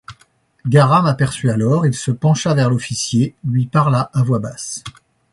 Garat m'aperçut alors, il se pencha vers l'officier, lui parla à voix basse.